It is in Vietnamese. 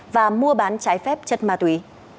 và mua bán trái phép chất ma túy